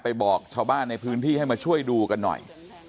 บอกชาวบ้านในพื้นที่ให้มาช่วยดูกันหน่อย